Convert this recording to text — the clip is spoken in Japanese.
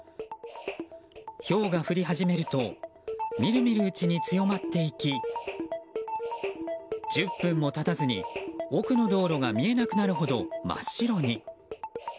ひょうが降り始めると見る見るうちに強まっていき１０分も経たずに奥の道路が見えなくなるほど真っ白に。